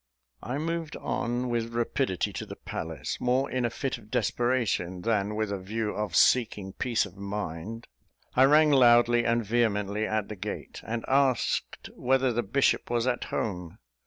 I moved on with rapidity to the palace, more in a fit of desperation than with a view of seeking peace of mind. I rang loudly and vehemently at the gate, and asked whether the bishop was at home.